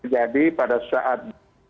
jadi pada saat